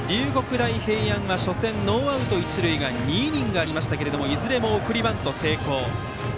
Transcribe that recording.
大平安は初戦ノーアウト、一塁が２イニングありましたけれどいずれも送りバント成功。